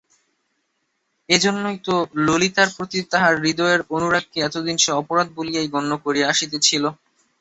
এইজন্যই তো ললিতার প্রতি তাহার হৃদয়ের অনুরাগকে এতদিন সে অপরাধ বলিয়াই গণ্য করিয়া আসিতেছিল।